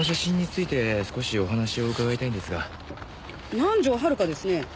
南条遥ですね。